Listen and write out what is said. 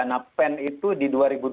karena pen itu di dua ribu dua puluh satu